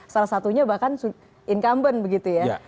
salah satunya bahkan incumbent begitu ya